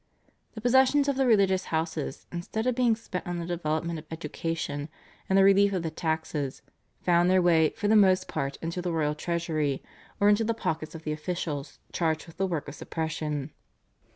The possessions of the religious houses, instead of being spent on the development of education and the relief of the taxes, found their way for the most part into the royal treasury, or into the pockets of the officials charged with the work of suppression.